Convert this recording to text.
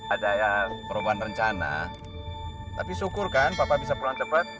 ada ya perubahan rencana tapi syukur kan papa bisa pulang cepat